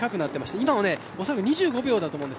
今もおそらく２５秒だと思います。